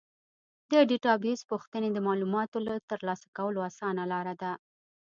د ډیټابیس پوښتنې د معلوماتو ترلاسه کولو اسانه لاره ده.